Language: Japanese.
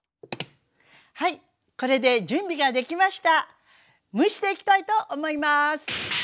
はいこれで準備ができました。